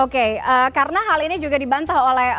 karena hal ini juga dibantah oleh